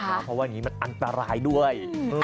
เพราะว่าอย่างนี้มันอันตรายด้วย